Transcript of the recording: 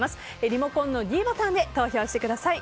リモコンのｄボタンで投票してください。